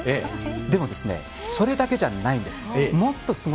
でもですね、それだけじゃないんです。